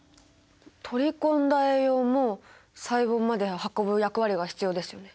取り込んだ栄養も細胞まで運ぶ役割が必要ですよね。